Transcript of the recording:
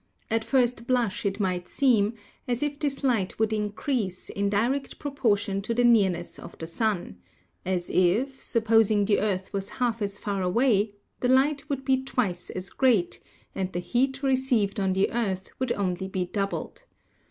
At first blush it might seem as if this light would increase in direct proportion to the nearness to the sun, as if, supposing the earth were half as far away, the light would be twice as great, and the heat received on the earth would only be doubled.